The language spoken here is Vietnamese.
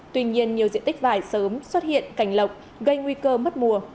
tuy nhiên nhiều diện tích vải sớm xuất hiện cảnh lọc gây nguy cơ mất mùa